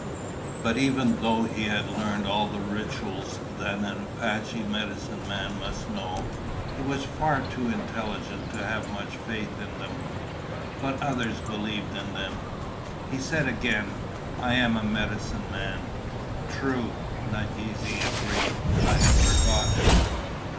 But even though he had learned all the rituals that an Apache medicine man must know, he was far too intelligent to have much faith in them. But others believed in them. He said again, "I am a medicine man." "True," Nadeze agreed. "I had forgotten."